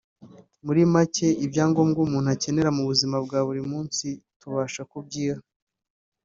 muri macye ibyangombwa umuntu akenera mu buzima bwa buri munsi tubasha kubyiha